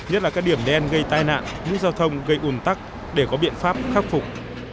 nhất là các điểm đen gây tai nạn nút giao thông gây ủn tắc để có biện pháp khắc phục